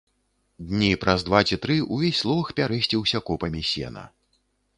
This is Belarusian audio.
Дні праз два ці тры ўвесь лог пярэсціўся копамі сена.